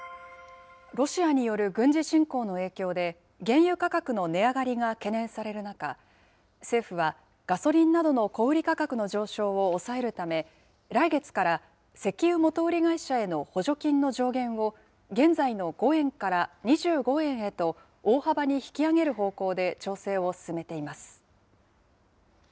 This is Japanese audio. ロシアによる軍事侵攻の影響で、原油価格の値上がりが懸念される中、政府は、ガソリンなどの小売り価格の上昇を抑えるため、来月から石油元売り会社への補助金の上限を、現在の５円から２５円へと、大幅に引き上げる方向で調整を進めています。